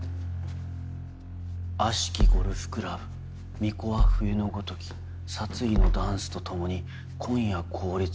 「悪しきゴルフクラブ巫女は冬のごとき殺意のダンスとともに今夜凍りつく」。